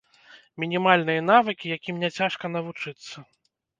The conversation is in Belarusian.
Мінімальныя навыкі, якім няцяжка навучыцца.